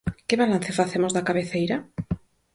Que balance facemos da cabeceira?